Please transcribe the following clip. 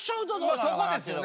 まあそこですよね。